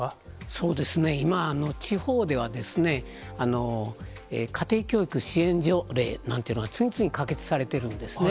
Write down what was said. そうですね、今、地方では、家庭教育支援条例なんていうのが次々可決されてるんですね。